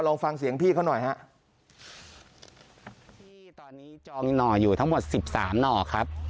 ลองฟังเสียงพี่เขาหน่อยฮะพี่ตอนนี้จองมีหน่ออยู่ทั้งหมดสิบสามหน่อครับ